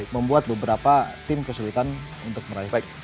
membuat beberapa tim kesulitan untuk meraihfect